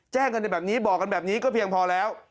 แจ้งกันในแบบนี้บอกกันแบบนี้ก็เพียงพอแล้ว